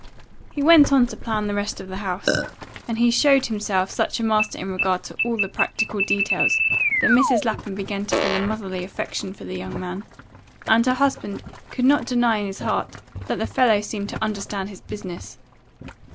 He went on to plan the rest of the house, and he showed himself such a master in regard to all the practical details that Mrs. Lapham began to feel a motherly affection for the young man, and her husband could not deny in his heart that the fellow seemed to understand his business.